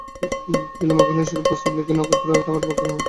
বিল্বন কহিলেন, তবে সেইরূপ প্রস্তাব লিখিয়া নক্ষত্ররায়ের নিকট পাঠানো হউক।